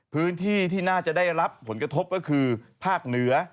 พื้นที่ที่น่าจะได้รับผลกระทบก็คือภาคเหนือ